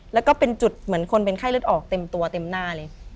แล้วก็เป็นจุดเหมือนคนเป็นไข้เลือดออกเต็มตัวเต็มหน้าเลย